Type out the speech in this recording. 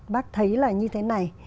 bác thấy là như thế này